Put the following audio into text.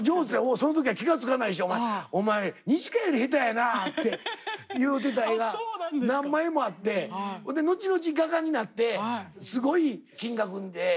その時は気が付かないし「お前二千翔より下手やな」って言うてた絵が何枚もあって後々画家になってすごい金額で。